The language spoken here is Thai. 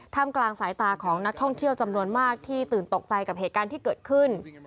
กลางสายตาของนักท่องเที่ยวจำนวนมากที่ตื่นตกใจกับเหตุการณ์ที่เกิดขึ้น